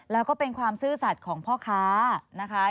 แล้วก็เป็นความซื่อสัตว์ของพ่อค้านะคะ